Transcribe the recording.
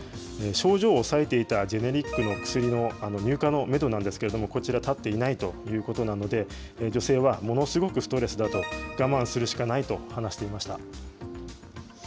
症状を抑えていたジェネリックの薬の入荷のメドなんですけれども、こちら、立っていないということなので、女性はものすごくストレスだと、我慢するしかないと話していました。